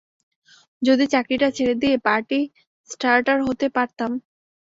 যদি চাকরিটা ছেড়ে দিয়ে পার্টি স্টার্টার হতে পারতাম।